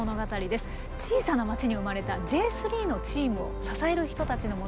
小さな町に生まれたＪ３のチームを支える人たちの物語。